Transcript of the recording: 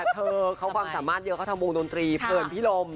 เธอเขาความสามารถเยอะเขาทำวงดนตรีเพลินพิรม